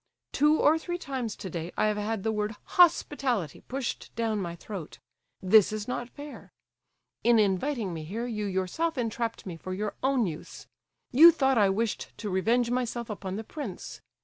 Two or three times to day I have had the word 'hospitality' pushed down my throat; this is not fair. In inviting me here you yourself entrapped me for your own use; you thought I wished to revenge myself upon the prince.